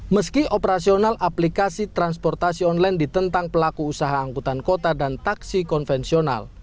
meski operasional aplikasi transportasi online ditentang pelaku usaha angkutan kota dan taksi konvensional